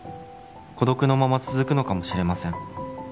「孤独のまま続くのかもしれません」